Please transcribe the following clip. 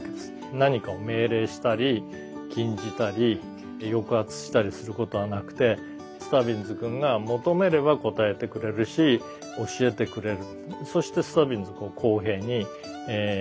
何かを命令したり禁じたり抑圧したりすることはなくてスタビンズ君が求めればこたえてくれるし教えてくれる。